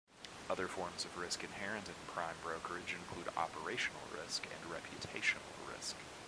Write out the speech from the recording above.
Other forms of risk inherent in Prime Brokerage include operational risk and reputational risk.